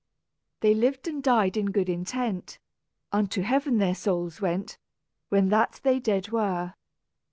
"They lived and died in good intent; Unto heaven their souls went, When that they dead were.